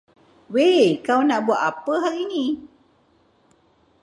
Wei kau nak buat apa hari ini.